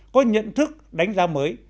có nhận thức đánh giá mới